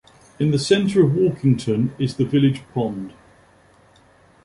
In the centre of Walkington is the village pond.